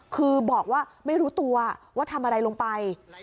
คือบอกว่าไม่รู้ตัวว่าทำอะไรลงไป